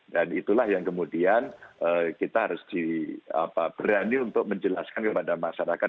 dan itulah yang kemudian kita harus berani untuk menjelaskan kepada masyarakat